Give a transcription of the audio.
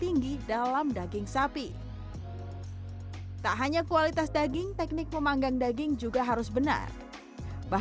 ini yang namanya ferrari